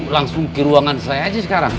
langsung ke ruangan saya aja sekarang